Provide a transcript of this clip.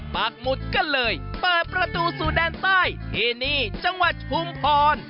ปากหมุดก็เลยเปิดประตูสู่แดนใต้ที่นี่จังหวัดชุมพร